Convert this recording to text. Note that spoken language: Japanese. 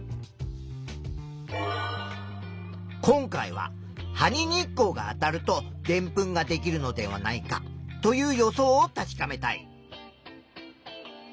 今回は「葉に日光があたるとでんぷんができるのではないか」という予想を確かめたい。